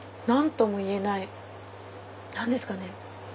何とも言えない何ですかね。